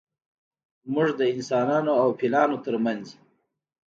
موږ د انسانانو او فیلانو ترمنځ